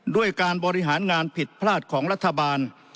ด้วยการบริหารงานผิดพลาดของรัฐบาล